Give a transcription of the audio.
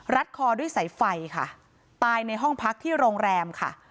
คอด้วยสายไฟค่ะตายในห้องพักที่โรงแรมค่ะ